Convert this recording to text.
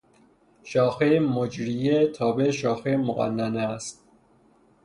شاخهی مجریه تابع شاخهی مقننه است.